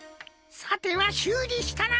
さてはしゅうりしたな。